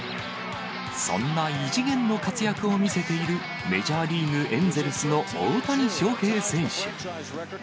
そんな異次元の活躍を見せている、メジャーリーグ・エンゼルスの大谷翔平選手。